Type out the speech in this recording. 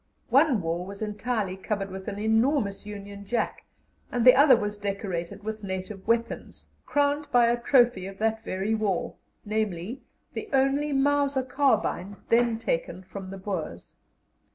One wall was entirely covered with an enormous Union Jack, and the other was decorated with native weapons, crowned by a trophy of that very war namely, the only Mauser carbine then taken from the Boers.